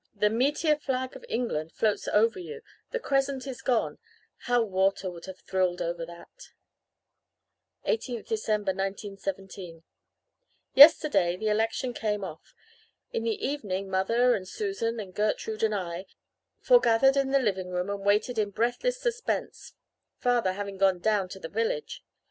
The 'meteor flag of England!' floats over you the Crescent is gone. How Walter would have thrilled over that!" 18th December 1917 "Yesterday the election came off. In the evening mother and Susan and Gertrude and I forgathered in the living room and waited in breathless suspense, father having gone down to the village.